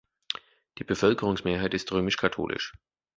Die Bevölkerungsmehrheit ist römisch-katholisch.